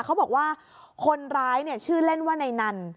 เขาบอกว่าคนร้ายชื่อเล่นว่าไน่นัน